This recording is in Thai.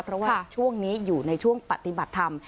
เพราะว่าช่วงนี้อยู่ในช่วงปฏิบัติธรรม